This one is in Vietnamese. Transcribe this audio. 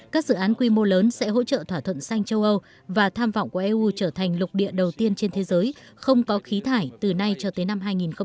các dự án quy mô lớn sẽ hỗ trợ thỏa thuận xanh châu âu và tham vọng của eu trở thành lục địa đầu tiên trên thế giới không có khí thải từ nay cho tới năm hai nghìn năm mươi